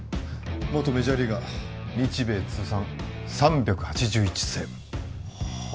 元メジャーリーガー日米通算３８１セーブはあ